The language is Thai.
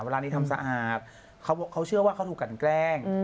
เวลานี้ทำสะอาดเขาเชื่อว่าเขาถูกกันแกล้ง